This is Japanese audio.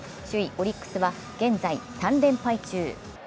オリックスは現在３連敗中。